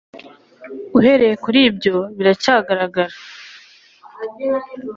Uhereye kuri ibyo biracyagaragara